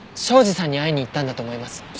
庄司さんに会いに行ったんだと思います。